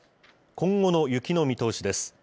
今後の雪の見通しです。